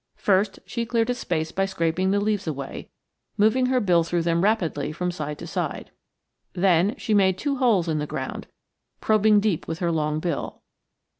First she cleared a space by scraping the leaves away, moving her bill through them rapidly from side to side. Then she made two holes in the ground, probing deep with her long bill.